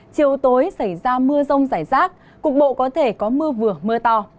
chiều tối xảy ra mưa rông rải rác cục bộ có thể có mưa vừa mưa to